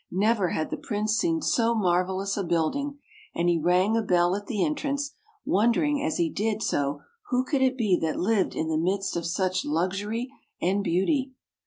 Never had the Prince seen so marvelous a building, and he rang a bell at the entrance, wondering as he did so who it could be that lived in the midst of such luxury and beauty.